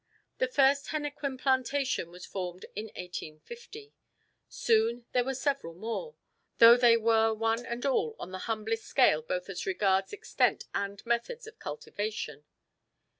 The first henequen plantation was formed in 1850. Soon there were several more, though they were one and all on the humblest scale both as regards extent and methods of cultivation.